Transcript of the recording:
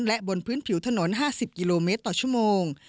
และบนพื้นผิวถนน๕๐กิโลเมตรต่อชั่วโมง